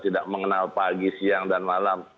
tidak mengenal pagi siang dan malam